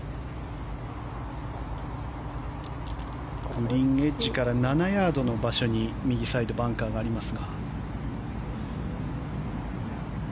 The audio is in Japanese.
グリーンエッジから７ヤードの場所に右サイド、バンカーがあります。